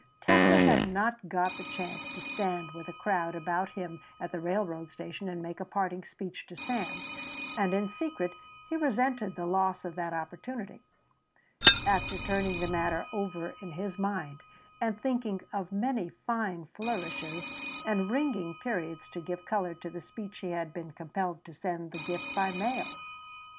Telfer had not got the chance to stand with a crowd about him at the railroad station and make a parting speech to Sam, and in secret he resented the loss of that opportunity. After turning the matter over in his mind and thinking of many fine flourishes and ringing periods to give colour to the speech he had been compelled to send the gift by mail.